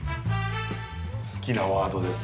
好きなワードです。